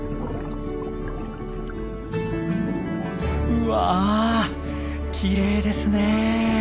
うわきれいですねえ。